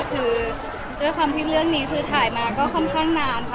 เพราะว่าความที่เรื่องนี้กรู้ถ่ายมาก็ค่อนข้างนานค่ะ